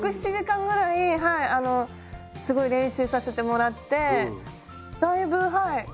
６７時間ぐらいはいあのすごい練習させてもらってだいぶはい。